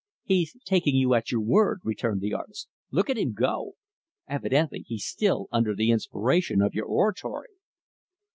"He's taking you at your word," returned the artist. "Look at him go! Evidently, he's still under the inspiration of your oratory."